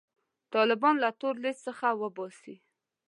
طالبان له تور لیست څخه وباسي.